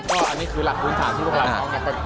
ก็อันนี้คือหลักคุณฐานที่ลูกรับน้อง